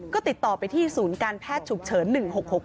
ก็ติดต่อไปที่ศูนย์การแพทย์ฉุกเฉิน๑๖๖